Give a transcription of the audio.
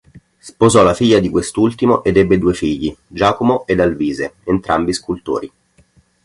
Sposò la figlia di quest'ultimo ed ebbe due figli, Giacomo ed Alvise, entrambi scultori.